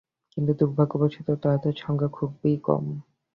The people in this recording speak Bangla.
কিন্তু দুর্ভাগ্যক্রমে তাঁহাদের সংখ্যা খুব কম।